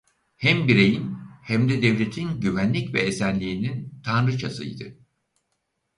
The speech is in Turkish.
Hem bireyin hem de devletin güvenlik ve esenliğinin tanrıçasıydı.